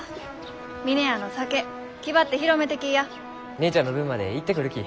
姉ちゃんの分まで行ってくるき。